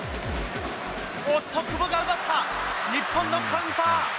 おっと、久保が奪った、日本のカウンター。